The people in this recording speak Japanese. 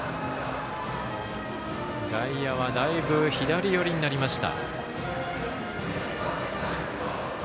外野はだいぶ、左寄りになりました。